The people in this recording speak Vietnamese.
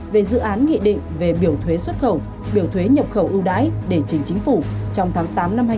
về dự án nghị định về biểu thuế xuất khẩu biểu thuế nhập khẩu ưu đãi để chính chính phủ trong tháng tám năm hai nghìn hai mươi